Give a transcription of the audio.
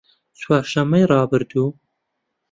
چوارشەممەی ڕابردوو